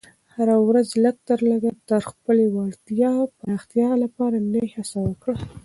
هره ورځ لږ تر لږه د خپلې وړتیا پراختیا لپاره نوې هڅه وکړه.